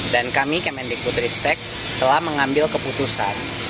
dan kami kementerian pendidikan putri ristek telah mengambil keputusan